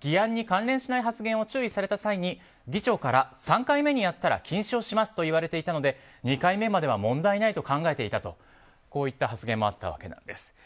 議案に関連しない発言を注意された際に議長から、３回目にやったら禁止をしますと言われていたので２回目までは問題ないと考えていたとこういった発言もあったわけなんです。